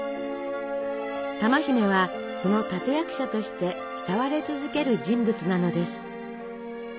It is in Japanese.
珠姫はその立て役者として慕われ続ける人物なのです。